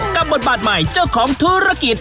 บทบาทใหม่เจ้าของธุรกิจ